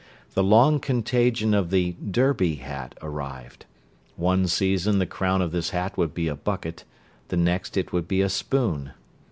The long contagion of the "Derby" hat arrived: one season the crown of this hat would be a bucket; the next it would be a spoon.